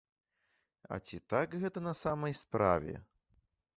А ці так гэта на самай справе?